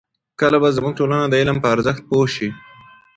کله به زموږ ټولنه د علم په ارزښت پوه شي؟